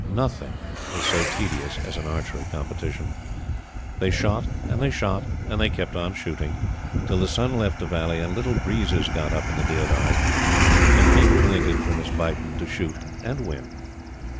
Nothing is so tedious as an archery competition. They shot, and they shot, and they kept on shooting, till the sun left the valley, and little breezes got up in the deodars, and people waited for Miss Beighton to shoot and win.